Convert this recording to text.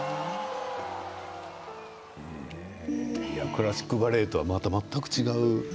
クラシックバレエとはまた全く違う。